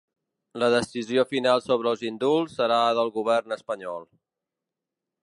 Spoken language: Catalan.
La decisió final sobre els indults serà del govern espanyol.